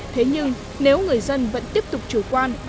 thế nhưng nếu người dân vẫn tiếp tục chủ quan